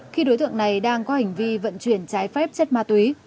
khi đối tượng này đang có hành vi vận chuyển trái phép chất ma túy